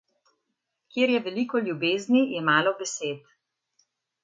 Kjer je veliko ljubezni, je malo besed.